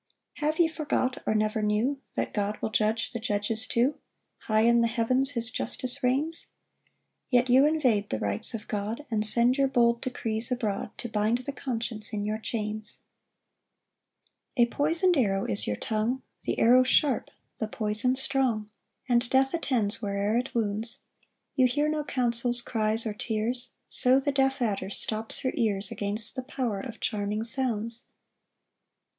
2 Have ye forgot, or never knew, That God will judge the judges too? High in the heavens his justice reigns? Yet you invade the rights of God, And send your bold decrees abroad, To bind the conscience in your chains. 3 A poison'd arrow is your tongue, The arrow sharp, the poison strong, And death attends where'er it wounds: You hear no counsels, cries or tears; So the deaf adder stops her ears Against the power of charming sounds.